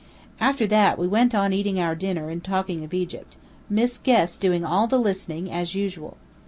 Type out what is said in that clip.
After that, we went on eating our dinner and talking of Egypt, Miss Guest doing all the listening, as usual.